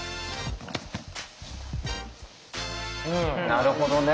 なるほどね。